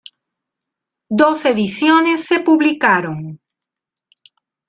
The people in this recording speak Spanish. Dos ediciones se publicaron.